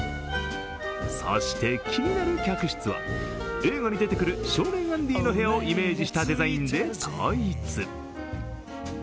そして、気になる客室は映画に出てくる少年アンディの部屋をイメージしたデザインで統一。